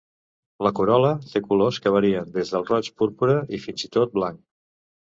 La corol·la té colors que varien des del roig, púrpura i fins i tot blanc.